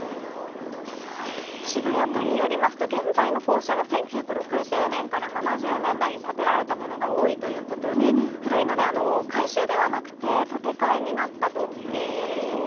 渋谷区によりますと現在の校舎は１９６０年から７０年代に建てられたものが多いということで、古いので改修ではなくて建て替えになったということです。